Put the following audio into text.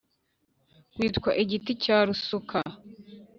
witwa Igiti cya Rusuka.